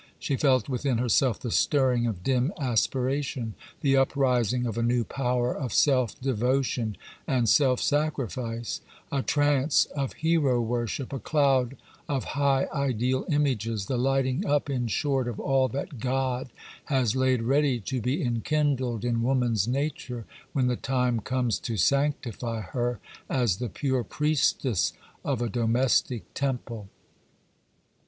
She felt within herself the stirring of dim aspiration—the uprising of a new power of self devotion and self sacrifice; a trance of hero worship; a cloud of high ideal images; the lighting up, in short, of all that God has laid ready to be enkindled in woman's nature when the time comes to sanctify her as the pure priestess of a domestic temple.